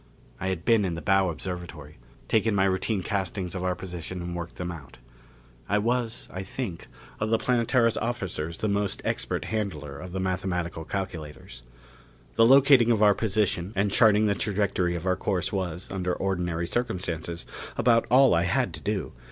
I had been in the bow observatory; taken my routine castings of our position and worked them out. I was, I think, of the Planetara's officers the most expert handler of the mathematical calculators. The locating of our position and charting the trajectory of our course was, under ordinary circumstances, about all I had to do.